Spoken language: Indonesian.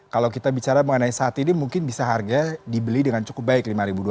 kalau kita bicara mengenai saat ini mungkin bisa harga dibeli dengan cukup baik